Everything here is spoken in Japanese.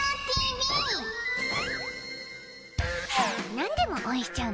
何でも応援しちゃう